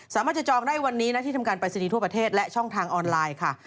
สามารถจะจองได้วันนี้นะที่ทำการปรายศนีย์ทั่วประเทศและช่องทางออนไลน์ค่ะ